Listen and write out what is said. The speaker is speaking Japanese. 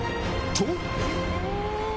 と。